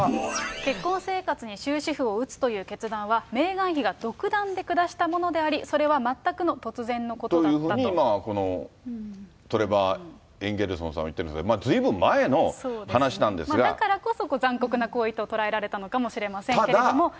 結婚生活に終止符を打つという決断は、メーガン妃が独断で下したものであり、というふうにまあ、トレバー・エンゲルソンさんは言ってるんですが、ずいぶん前の話だからこそ、残酷な行為と捉えられたのかもしれませんけれども。